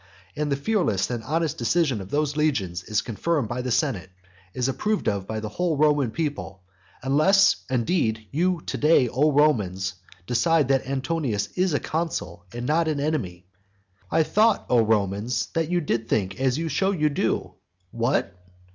And the fearless and honest decision of those legions is confirmed by the senate, is approved of by the whole Roman people, unless, indeed, you to day, O Romans, decide that Antonius is a consul and not an enemy. I thought, O Romans, that you did think as you show you do. What?